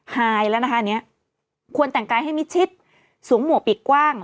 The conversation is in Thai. ฮายแล้วนะคะควรแต่งกายให้มิชิตสูงหมวกปิกกว้าง